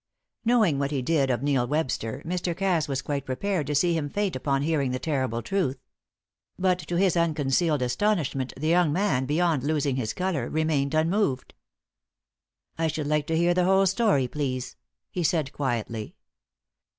Knowing what he did of Neil Webster. Mr. Cass quite prepared to see him faint upon hearing the terrible truth. But to his unconcealed astonishment the young man, beyond losing his colour, remained unmoved. "I should like to hear the whole story, please," he said, quietly.